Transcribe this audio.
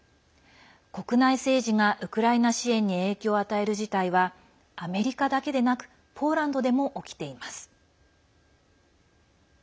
国内政治が、ウクライナ支援に影響を与える事態はアメリカだけでなくポーランドでも起きています。